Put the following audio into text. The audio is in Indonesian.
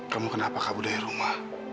kamu kenapa kabur dari rumah